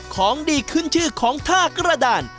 ของดีขึ้นชื่อของท่ากระดาน